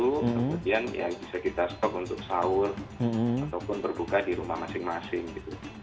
kemudian ya bisa kita stok untuk sahur ataupun berbuka di rumah masing masing gitu